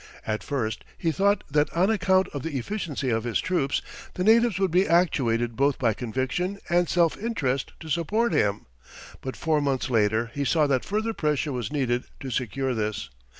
At first he thought that on account of the efficiency of his troops, the natives would be actuated both by conviction and self interest to support him. But four months later he saw that further pressure was needed to secure this.